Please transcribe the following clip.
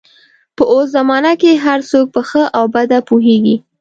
په اوس زمانه کې هر څوک په ښه او بده پوهېږي